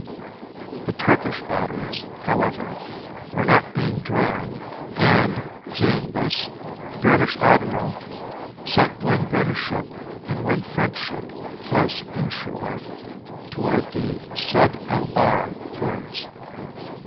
"The Turkish batteries, however, were not to be drawn, and, seeing this, the British Admiral sent one British ship and one French ship close inshore toward the Sedd el Bahr forts.